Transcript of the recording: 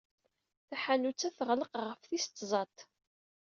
Taḥanut-a tɣelleq ɣef tis tẓat.